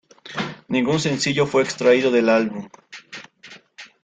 Ningún sencillo fue extraído del álbum.